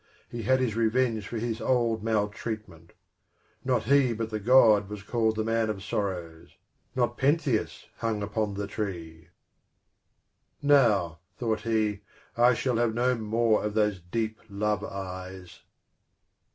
He had his revenge for his old maltreatment. Not he but the God was called the man of sorrows, not Pentheus hung upon the tree. " Now," thought he, " I shall have no more of those deep love eyes."